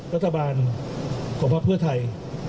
รัฐบาลของพักเพื่อไทย